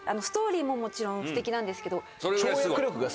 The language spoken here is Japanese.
ストーリーももちろんステキなんですけど。